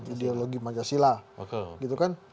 ideologi majasilah gitu kan